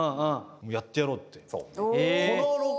もうやってやろうって。